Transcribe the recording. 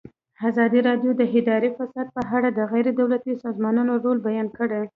ازادي راډیو د اداري فساد په اړه د غیر دولتي سازمانونو رول بیان کړی.